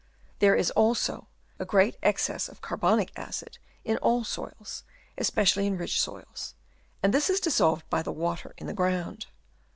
There is, also, a great excess of carbonic acid in all soils, especially in rich soils, and this is dissolved by the water in the ground.